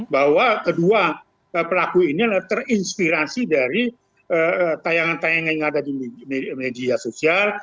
bahwa kedua pelaku ini adalah terinspirasi dari tayangan tayangan yang ada di media sosial